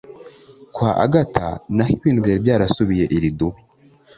Kwa Agatha naho ibintu byari byarasubiye i Rudubi